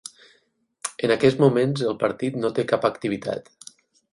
En aquests moments el partit no té cap activitat.